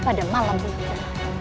pada malam ini